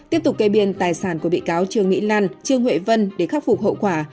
tiếp tục kê biên tài sản của bị cáo trương mỹ lan trương huệ vân để khắc phục hậu quả